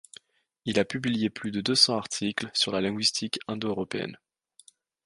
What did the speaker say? Il a publié plus de deux cents articles sur la linguistique indo-européenne.